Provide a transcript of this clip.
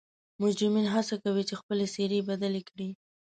مجرمین حڅه کوي چې خپلې څیرې بدلې کړي